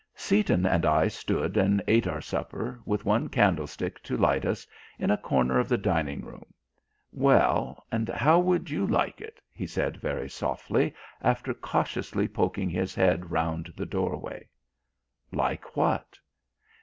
Seaton and I stood and ate our supper, with one candlestick to light us, in a corner of the dining room. "Well, and how would you like it?" he said very softly, after cautiously poking his head round the doorway. "Like what?"